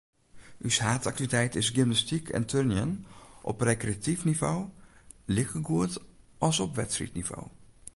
Us haadaktiviteit is gymnastyk en turnjen, op rekreatyf nivo likegoed as op wedstriidnivo.